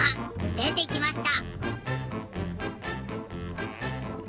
でてきました！